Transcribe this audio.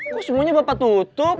kok semuanya bapak tutup